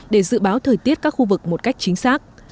để dự báo thời tiết các khu vực một cách chính xác